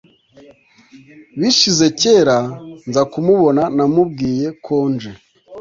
bishize kera nza kumubona Namubwiye ko nje